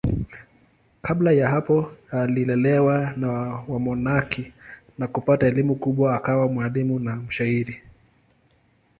Kabla ya hapo alilelewa na wamonaki na kupata elimu kubwa akawa mwalimu na mshairi.